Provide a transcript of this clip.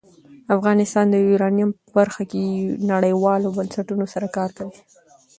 افغانستان د یورانیم په برخه کې نړیوالو بنسټونو سره کار کوي.